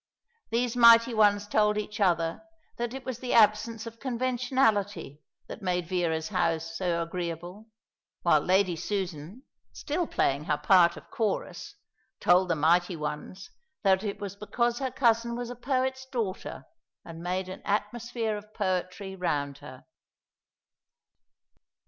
These mighty ones told each other that it was the absence of conventionality that made Vera's house so agreeable; while Lady Susan, still playing her part of Chorus, told the mighty ones that it was because her cousin was a poet's daughter, and made an atmosphere of poetry round her.